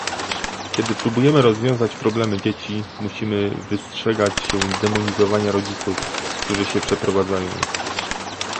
Kiedy próbujemy rozwiązać problemy dzieci, musimy wystrzegać się demonizowania rodziców, którzy się przeprowadzają